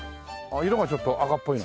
色がちょっと赤っぽいね。